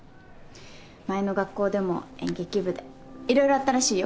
前の学校でも演劇部で色々あったらしいよ。